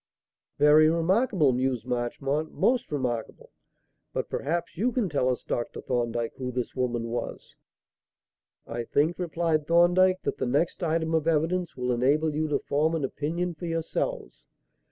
"Very remarkable," mused Marchmont; "most remarkable. But, perhaps, you can tell us, Dr. Thorndyke, who this woman was?" "I think," replied Thorndyke, "that the next item of evidence will enable you to form an opinion for yourselves.